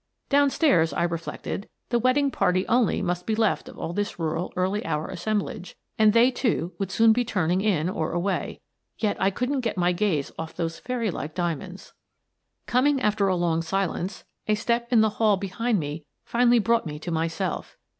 Down stairs, I reflected, the wed ding party only must be left of all this rural early hour assemblage, and they, too, would soon be turning in or away — yet I couldn't get my gaze off those fairylike diamonds. Coming after a long silence, a step in the hall behind me finally brought me to myself.